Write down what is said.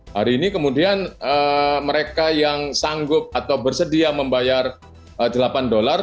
hari ini kemudian mereka yang sanggup atau bersedia membayar delapan dolar